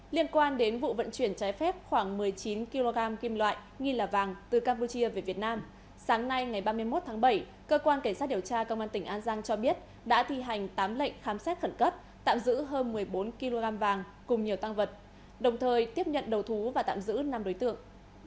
liên quan đến vụ vận chuyển trái phép khoảng một mươi chín kg kim loại nghi là vàng từ campuchia về việt nam sáng nay ngày ba mươi một tháng bảy cơ quan cảnh sát điều tra công an tỉnh an giang cho biết đã thi hành tám lệnh khám xét khẩn cấp tạm giữ hơn một mươi bốn kg vàng cùng nhiều tăng vật đồng thời tiếp nhận đầu thú và tạm giữ năm đối tượng